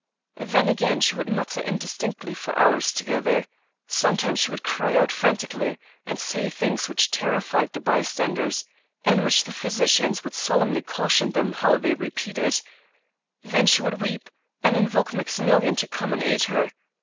Then, again, she would mutter indistinctly for hours together; sometimes she would cry out frantically, and say things which terrified the bystanders, and which the physicians would solemnly caution them how they re peated; then she would weep, and invoke Maximilian to come and aid her.